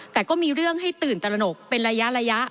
แต่ก็มีเรื่องให้ตื่นตระหนกเป็นระยะ